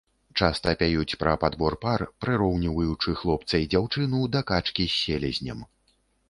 Часта пяюць пра падбор пар, прыроўніваючы хлопца і дзяўчыну да качкі з селезнем.